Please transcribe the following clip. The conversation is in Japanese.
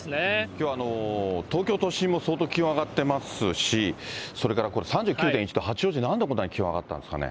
きょう、東京都心も相当、気温上がってますし、それから３９．１度、八王子、なんでこんなに気温が上がったんですかね。